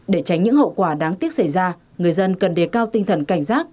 để tránh những hậu quả đáng tiếc xảy ra người dân cần đề cao tinh thần cảnh giác